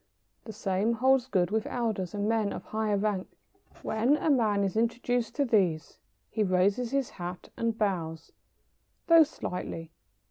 The same holds good with elders and men of higher rank. When a man is introduced to these he raises his hat and bows, though slightly.